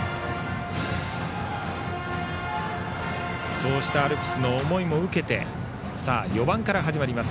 そうしたアルプスの思いも受けて４番から始まります。